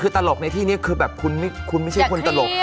คือตลกในที่นี้คือแบบคุณไม่ใช่คนตลก